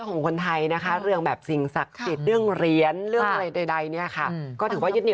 โอ้โฮ